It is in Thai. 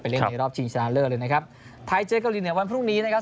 เล่นในรอบชิงชนะเลิศเลยนะครับไทยเจอเกาหลีเหนือวันพรุ่งนี้นะครับ